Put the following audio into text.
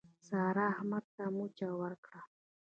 سارا، احمد ته مچه ورکړه.